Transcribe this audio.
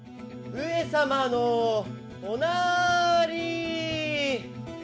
上様のおなーりー！